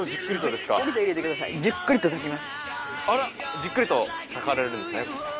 じっくりと炊かれるんですね。